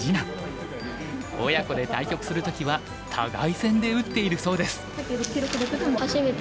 親子で対局する時は互先で打っているそうです。